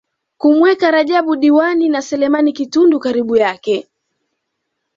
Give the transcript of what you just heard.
kumweka Rajab Diwani na Selemani Kitundu karibu yake